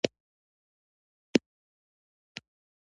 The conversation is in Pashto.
شیدې د پوستکي د ځینو مشکلاتو لپاره هم ګټورې دي.